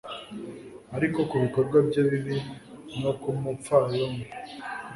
Ariko kubikorwa bye bibi no kumupfayongo